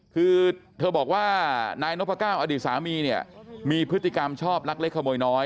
คือเธอบอกว่านายนพก้าวอดีตสามีเนี่ยมีพฤติกรรมชอบลักเล็กขโมยน้อย